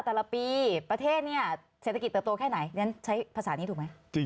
แต่ละปีประเทศเนี่ยเศรษฐกิจเติบโตแค่ไหนใช้ภาษานี้ถูกไหม